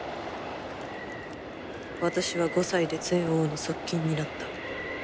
私は５歳で前王の側近になった。